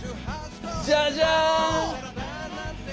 じゃじゃん！